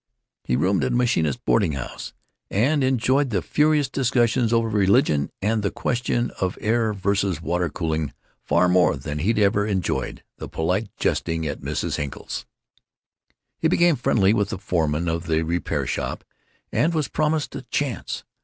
He roomed at a machinists' boarding house, and enjoyed the furious discussions over religion and the question of air versus water cooling far more than he had ever enjoyed the polite jesting at Mrs. Henkel's. He became friendly with the foreman of the repair shop, and was promised a "chance."